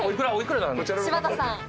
柴田さん。